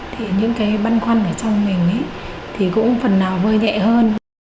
thì những cái băn khoăn ở trong mình thì cũng phần nào vơi nhẹ hơn